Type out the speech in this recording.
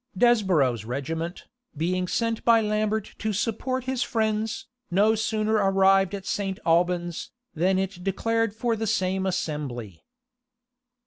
Desborow's regiment, being sent by Lambert to support his friends, no sooner arrived at St. Albans, than it declared for the same assembly.